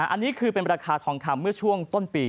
อันนี้คือเป็นราคาทองคำเมื่อช่วงต้นปี